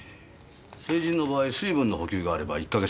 成人の場合水分の補給があれば１か月程度は。